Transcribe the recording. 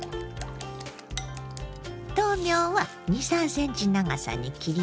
豆苗は２３ｃｍ長さに切ります。